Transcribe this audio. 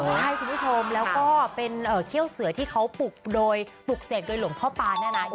ใช่คุณผู้ชมแล้วก็เป็นเครี่ยวเสือที่เขาปลุกเสกโดยหลวงพ่อปานน่ะนะ